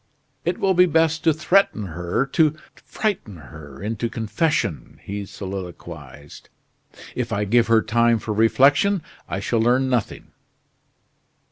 "It will be best to threaten her, to frighten her into confession," he soliloquized. "If I give her time for reflection, I shall learn nothing."